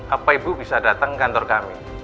apa ibu bisa datang ke kantor kami